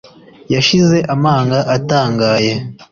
Yashize amanga atangaye